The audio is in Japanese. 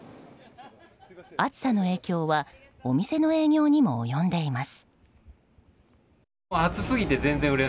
暑さの影響はお店の営業にも及んでいます。